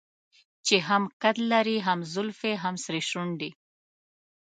چې هم قد لري هم زلفې هم سرې شونډې.